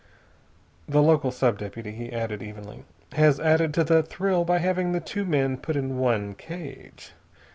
"The local sub deputy," he added evenly, "has added to the thrill by having the two men put in one cage.